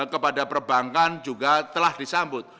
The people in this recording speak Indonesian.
kepada perbankan juga telah disambut